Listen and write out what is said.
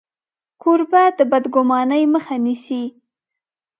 کوربه د بدګمانۍ مخه نیسي.